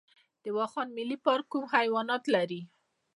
د واخان ملي پارک کوم حیوانات لري؟